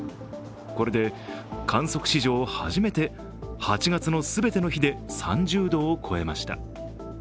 これで観測史上初めて８月の全ての日で３０度を超えました。